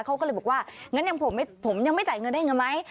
เขาก็เลยบอกว่างั้นผมยังไม่จ่ายเงินได้เงินไหม